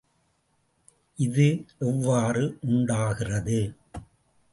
இது எவ்வாறு உண்டாகிறது?